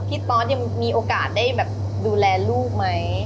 ตอสยังมีโอกาสได้แบบดูแลลูกไหม